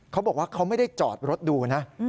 เขาบอกว่าเขาไม่ได้จอดรถดูนะ